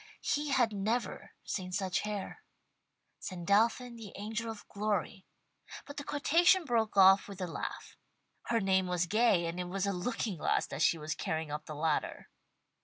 He had never seen such hair. "Sandalphon, the angel of glory" but the quotation broke off with a laugh. Her name was Gay, and it was a looking glass that she was carrying up the ladder.